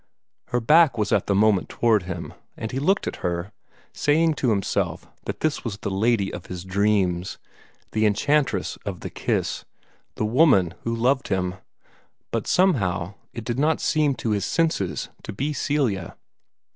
Her back was at the moment toward him; and he looked at her, saying to himself that this was the lady of his dreams, the enchantress of the kiss, the woman who loved him but somehow it did not seem to his senses to be Celia.